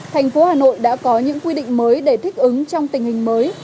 thành phố hà nội đã có những quy định mới để thích ứng trong tình hình mới